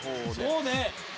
そうね。